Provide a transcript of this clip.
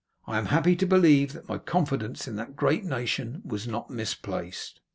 I am happy to believe that my confidence in that great nation was not misplaced.